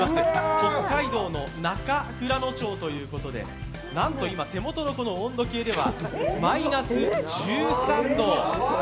北海道の中富良野町ということでなんと今、手元の温度計ではマイナス１３度を。